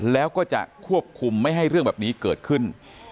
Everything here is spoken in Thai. แล้วก็จะควบคุมไม่ให้เรื่องแบบนี้เกิดขึ้น